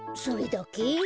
それだけ？